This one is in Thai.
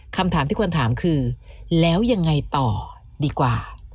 คำถามที่ควรถามคือแล้วยังไงต่อดีกว่า